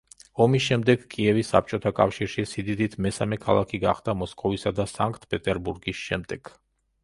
ომის შემდეგ კიევი საბჭოთა კავშირში სიდიდით მესამე ქალაქი გახდა მოსკოვისა და სანქტ-პეტერბურგის შემდეგ.